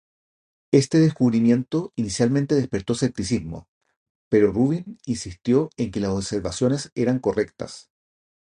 Este descubrimiento inicialmente despertó escepticismo, pero Rubin insistió en que las observaciones eran correctas.